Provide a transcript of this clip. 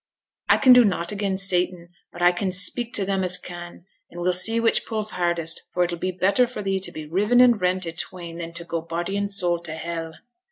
I can do nought again Satan, but I can speak to them as can; an' we'll see which pulls hardest, for it'll be better for thee to be riven and rent i' twain than to go body and soul to hell.'